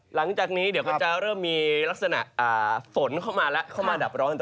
หลังจากนี้จะเริ่มมีลักษณะฝนเข้ามาดับร้อน